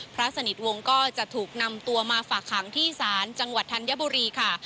พระสนิทวงศ์ก็จะถูกนำตัวมาฝากขังที่ศาลจังหวัดธัญบุรีค่ะ